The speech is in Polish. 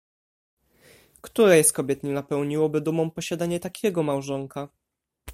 "Której z kobiet nie napełniłoby dumą posiadanie takiego małżonka?"